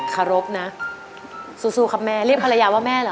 เคารพนะสู้ครับแม่เรียกภรรยาว่าแม่เหรอ